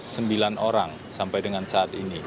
sembilan orang sampai dengan saat ini